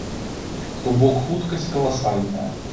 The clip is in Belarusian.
То бок хуткасць каласальная!